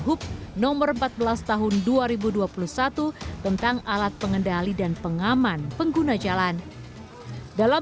hub nomor empat belas tahun dua ribu dua puluh satu tentang alat pengendali dan pengaman pengguna jalan dalam